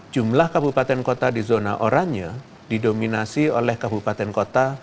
jumlah kabupaten kota di zona oranye didominasi oleh kabupaten kota